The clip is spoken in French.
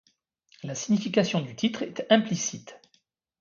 La signification du titre est implicite.